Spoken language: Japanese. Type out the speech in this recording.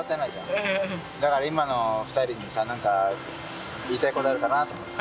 だから今の２人にさ何か言いたいことあるかなと思ってさ。